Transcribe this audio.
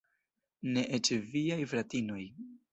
Ne eĉ viaj fratinoj.